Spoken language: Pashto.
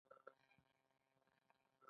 هغه نشو کولی هم کسبګر او هم بزګر وي.